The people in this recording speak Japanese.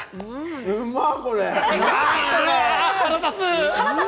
うんまっ！